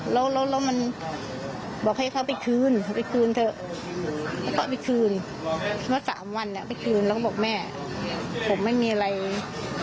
รถมันบอกให้เขาไปคืนเขาไปคืนเถอะแล้วก็ไปคืน